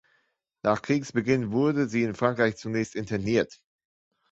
Nach Kriegsbeginn wurde sie in Frankreich zunächst interniert.